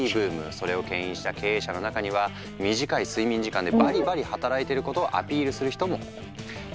それをけん引した経営者の中には短い睡眠時間でバリバリ働いていることをアピールする人も。